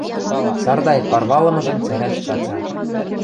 Сардай парвалымыжым цӓрӓш цаца.